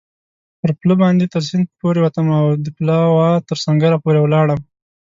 پر پله باندې تر سیند پورېوتم او د پلاوا تر سنګره پورې ولاړم.